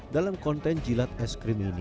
dalam konten jilat es krim ini